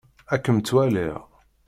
Ad kem-tt-walliɣ.